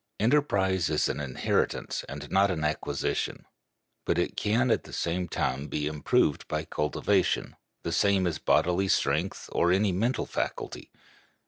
Enterprise is an inheritance and not an acquisition. But it can at the same time be improved by cultivation, the same as bodily strength or any mental faculty.